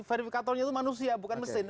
verifikatornya itu manusia bukan mesin